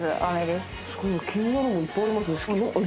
すごい気になるものいっぱいありますね。